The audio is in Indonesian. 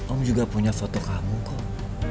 om juga punya foto kamu kok